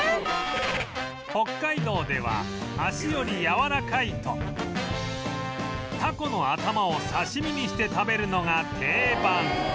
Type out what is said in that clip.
北海道では脚よりやわらかいとタコの頭を刺身にして食べるのが定番